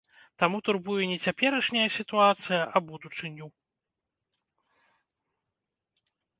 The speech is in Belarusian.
Таму турбуе не цяперашняя сітуацыя, а будучыню.